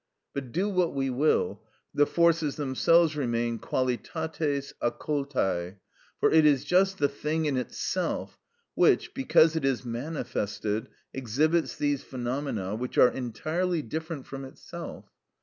But do what we will, the forces themselves remain qualitates occultæ. For it is just the thing in itself, which, because it is manifested, exhibits these phenomena, which are entirely different from itself.